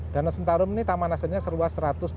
danau sentarum ini taman nasionalnya seluas